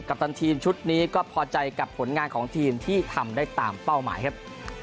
ตันทีมชุดนี้ก็พอใจกับผลงานของทีมที่ทำได้ตามเป้าหมายครับ